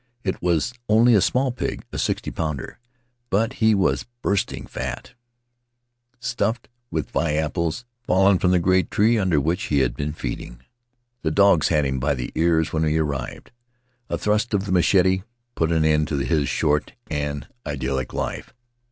It was only a small pig, a sixty pounder, but he was bursting fat, stuffed with Vi apples fallen from the great tree under which he had been feeding. The dogs had him by the ears when we arrived; a thrust of the machete Faery Lands of the South Seas put an end to his short and idyllic life.